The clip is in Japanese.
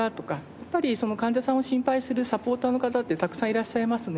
やっぱりその患者さんを心配するサポーターの方ってたくさんいらっしゃいますね。